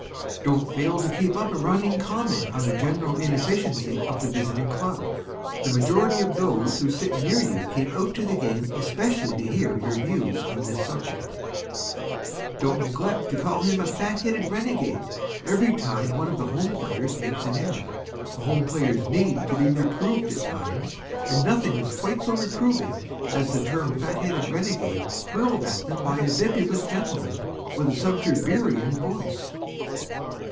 Don't fail to keep up a running comment on the general inefficiency of the visiting club. The majority of those who sit near you came out to the game especially to hear your views on this subject. Don't neglect to call him a fat headed renegade every time one of the home players makes an error. The home players need to be reproved at times, and nothing is quite so reproving as the term fat headed renegade hurled at them by a bibulous gentleman with a subterbeerean voice.